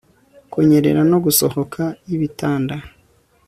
kunyerera no gusohoka yibitanda